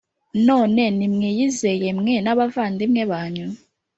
None nimwiyeze mwe n’abavandimwe banyu